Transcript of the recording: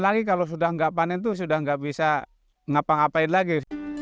apalagi kalau sudah nggak panen itu sudah tidak bisa ngapa ngapain lagi